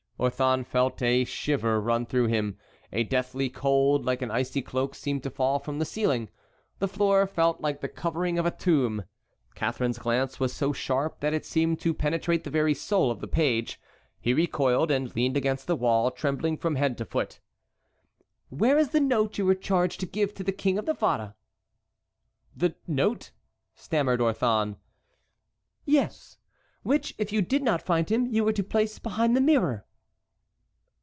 Orthon felt a shiver run through him; a deathly cold like an icy cloak seemed to fall from the ceiling. The floor felt like the covering of a tomb. Catharine's glance was so sharp that it seemed to penetrate to the very soul of the page. He recoiled and leaned against the wall, trembling from head to foot. "Where is the note you were charged to give to the King of Navarre?" "The note?" stammered Orthon. "Yes; which, if you did not find him, you were to place behind the mirror?"